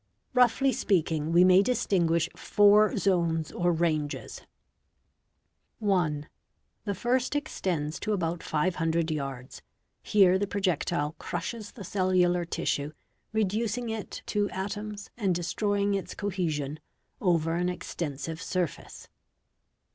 | Roughly speaking we may distinguish four zones or ranges :— I. The first extends to about 500 yards. Here the projectile crushes the cellular tissue, reducing it to atoms and destroying its cohe sion, over an extensive surface.